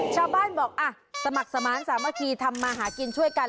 ชาวบ้านบอกสมัครสมาร์ทสามัคคีทำมาหากินช่วยกัน